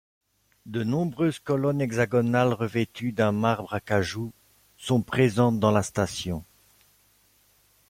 De nombreuses colonnes hexagonale revêtues d'un marbre acajou sont présentes dans la station.